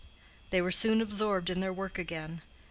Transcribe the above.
They were soon absorbed in their work again.